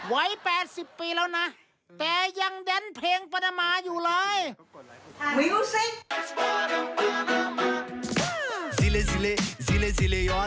ไว้๘๐ปีแล้วนะ